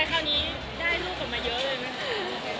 ไปคราวนี้ได้รูปต่อมาเยอะเลยมั้ย